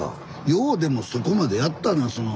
ようでもそこまでやったな。